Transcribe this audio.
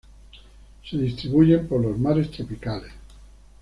Se distribuyen por los mares tropicales.